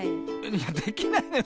いやできないのよ